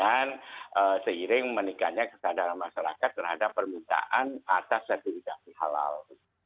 dan seiring meningkatnya kesadaran masyarakat terhadap permintaan atas sertifikasi halal